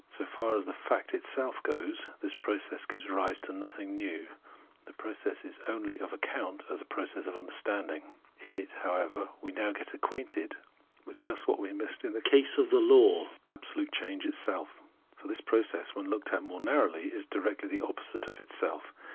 So far as the fact itself goes, this process gives rise to nothing new ; the process is only of account as a process of understanding. In it, however, we now get acquainted with just what we missed in the case of the law — absolute change itself ; for this process, when looked at more narrowly, is directly the opposite of itself.